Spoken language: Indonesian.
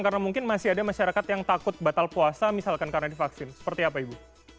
karena mungkin masih ada masyarakat yang takut batal puasa misalkan karena divaksin seperti apa ibu